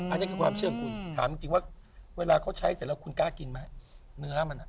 อันนี้คือความเชื่อของคุณถามจริงว่าเวลาเขาใช้เสร็จแล้วคุณกล้ากินไหมเนื้อมันอ่ะ